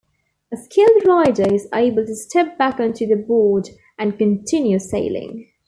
A skilled rider is able to step back onto the board and continue sailing.